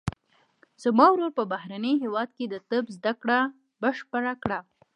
زما ورور په بهرني هیواد کې د طب زده کړه بشپړه کړه